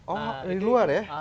oh dari luar ya